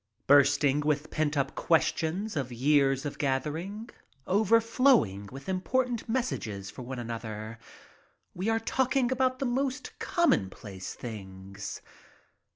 Bursting with pent up questions of years of gathering, overflowing with important messages for one another, we are talking about the most commonplace things.